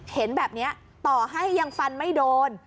เห็นแบบนี้ต่อให้ยังฟันไม่โดน